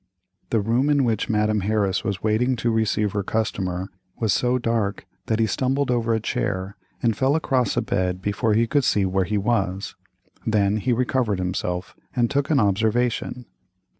The room in which Madame Harris was waiting to receive her customer was so dark that he stumbled over a chair, and fell across a bed before he could see where he was. Then he recovered himself, and took an observation.